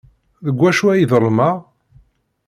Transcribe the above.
Deg wacu ay ḍelmeɣ?